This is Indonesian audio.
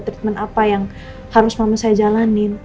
treatment apa yang harus mama saya jalanin